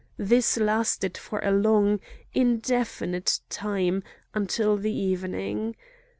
This lasted for a long, indefinite time until the evening.